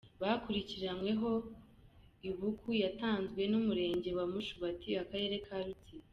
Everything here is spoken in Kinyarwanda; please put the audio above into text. Bakurikiranyweho ibuku yatanzwe n’umurenge wa Mushubati akarere ka Rutsiro.